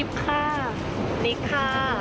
อิฟค่ะนิคค่ะ